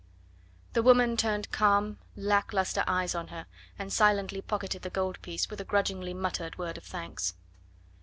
The woman turned calm, lack lustre eyes on her, and silently pocketed the gold piece with a grudgingly muttered word of thanks.